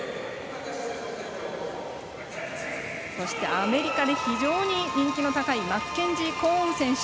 アメリカで非常に人気の高いマッケンジー・コーン選手。